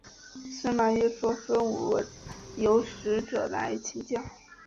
司马懿说是孙吴有使者来请降。